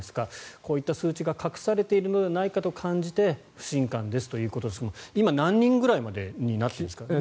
こういった数値が隠されているのではないかと感じて不信感ですということですが今、何人くらいですか。